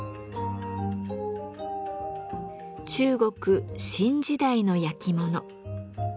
中国・清時代の焼き物。